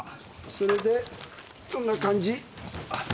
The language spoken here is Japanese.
それでどんな感じ？